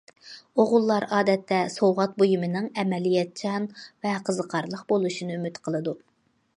ئوغۇللار ئادەتتە سوۋغات بۇيۇمىنىڭ ئەمەلىيەتچان ۋە قىزىقارلىق بولۇشىنى ئۈمىد قىلىدۇ.